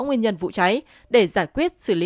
nguyên nhân vụ cháy để giải quyết xử lý